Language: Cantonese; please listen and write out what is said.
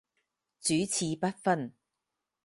主次不分